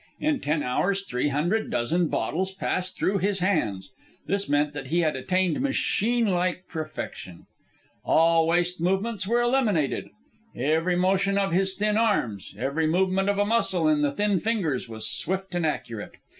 In ten hours three hundred dozen bottles passed through his hands. This meant that he had attained machine like perfection. All waste movements were eliminated. Every motion of his thin arms, every movement of a muscle in the thin fingers, was swift and accurate.